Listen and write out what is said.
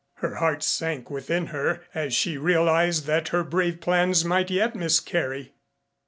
Her heart sank within her as she realized that her brave plans might yet miscarry.